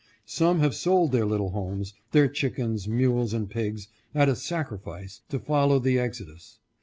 Some have sold their little homes, their chickens, mules, and pigs, at a sacrifice, to follow the exodus.